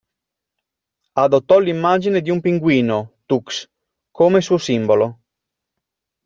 Adottò l'immagine di un pinguino, Tux, come suo simbolo.